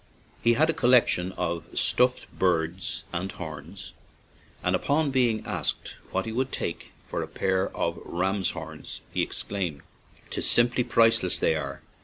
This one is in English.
He had a collection of stuffed birds and horns, and upon being asked what he 79 ON AN IRISH JAUNTING CAR would take for a pair of ram's horns, he exclaimed: "'Tis simply priceless they are!